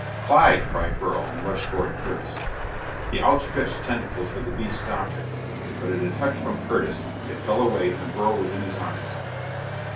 "Clyde!" cried Beryl and rushed toward Curtis. The outstretched tentacles of the beast stopped her, but at a touch from Curtis they fell away and Beryl was in his arms.